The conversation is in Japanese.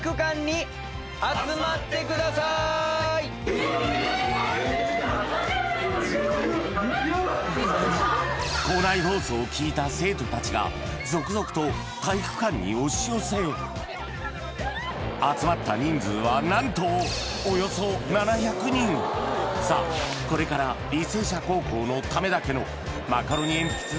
三菱電機肥後さんすると何と校内放送を聞いた生徒たちが続々と体育館に押し寄せ集まった人数は何とおよそ７００人さあこれから履正社高校のためだけのマカロニえんぴつ